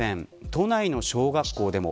都内の小学校でも。